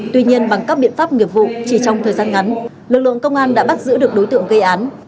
tuy nhiên bằng các biện pháp nghiệp vụ chỉ trong thời gian ngắn lực lượng công an đã bắt giữ được đối tượng gây án